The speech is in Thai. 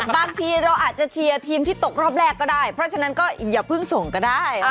บางทีเราอาจจะเชียร์ทีมที่ตกรอบแรกก็ได้เพราะฉะนั้นก็อย่าเพิ่งส่งก็ได้